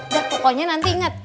dah pokoknya nanti inget